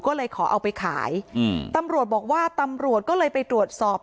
ก็เลยขอเอาไปขายอืมตำรวจบอกว่าตำรวจก็เลยไปตรวจสอบ